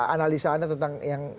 analisa anda tentang yang